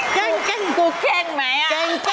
เก่งกูเก่งไหมอ่ะเก่งก็เก่ง